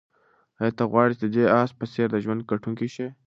آیا ته غواړې چې د دې آس په څېر د ژوند ګټونکی شې؟